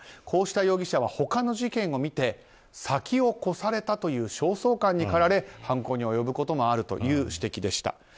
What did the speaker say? こうした容疑者は他の事件を見て先を越されたという焦燥感にかられ犯行に及ぶこともあるという指摘でした。